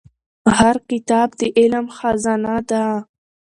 هر کتاب د علم خزانه ده.